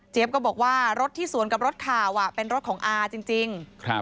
ก็บอกว่ารถที่สวนกับรถข่าวเป็นรถของอาจริง